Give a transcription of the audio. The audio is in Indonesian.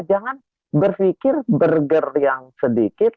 jangan berpikir burger yang sedikit